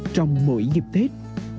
trong mỗi dịp tết